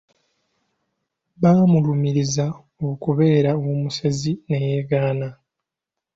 Baamulumiriza okubeera omusezi ne yeegaana.